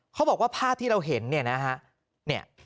เขาบอกว่าภาพที่เราเห็นเนี่ยนะฮะ